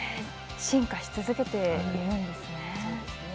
進化し続けているんですね。